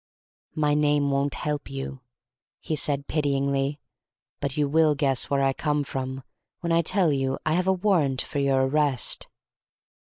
"My name won't help you," he said, pityingly. "But you will guess where I come from when I tell you I have a warrant for your arrest."